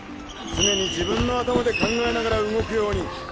常に自分の頭で考えながら動くように。